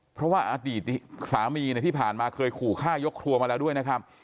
เพราะว่าอดีตสามีเนี่ยที่ผ่านมาเคยขู่ฆ่ายกครัวมาแล้วด้วยนะครับ